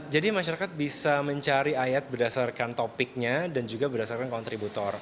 jadi masyarakat bisa mencari ayat berdasarkan topiknya dan juga berdasarkan kontributor